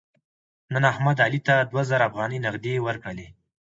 نن احمد علي ته دوه زره افغانۍ نغدې ورکړلې.